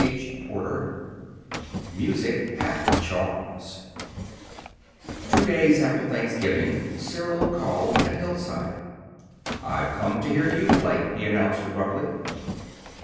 CHAPTER XXVI "MUSIC HATH CHARMS" Two days after Thanksgiving Cyril called at Hillside. "I've come to hear you play," he announced abruptly.